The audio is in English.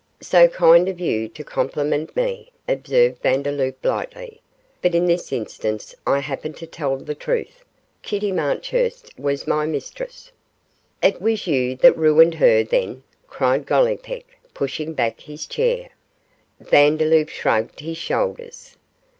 'So kind of you to compliment me,' observed Vandeloup, lightly; 'but in this instance I happen to tell the truth Kitty Marchurst was my mistress.' 'It was you that ruined her, then?' cried Gollipeck, pushing back his chair. Vandeloup shrugged his shoulders.